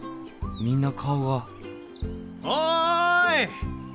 みんな顔がおい！